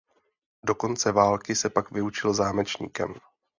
Do konce války se pak vyučil zámečníkem.